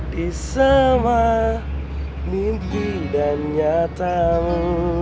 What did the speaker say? di semua mimpi dan nyatamu